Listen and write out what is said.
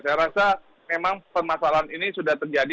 saya rasa memang permasalahan ini sudah terjadi